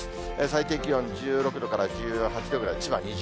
最低気温１６度から１８度ぐらい、千葉２０度。